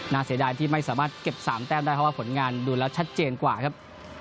เสียดายที่ไม่สามารถเก็บ๓แต้มได้เพราะว่าผลงานดูแล้วชัดเจนกว่าครับ